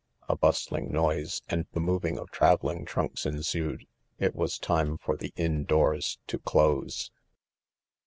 — A, Bustling noise, and the. moving of travelling trunks ensued \> it was time for the inn doors to close.